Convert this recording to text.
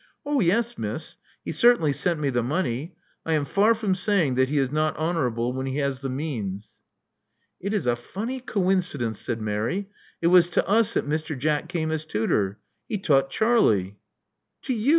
Oh, yes, Miss. He certainly sent me the money. I am far from saying that he is not honorable when he has the means." It is a funny coincidence, said Mary. It was to us that Mr. Jack came as tutor. He taught Charlie.*' To you!'